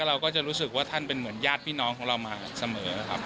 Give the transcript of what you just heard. เราก็จะรู้สึกว่าท่านเป็นเหมือนญาติพี่น้องของเรามาเสมอครับ